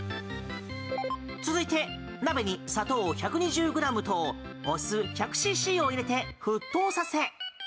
続いて、鍋に砂糖１２０ｇとお酢１００ｃｃを入れて沸騰させ。